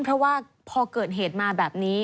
เพราะว่าพอเกิดเหตุมาแบบนี้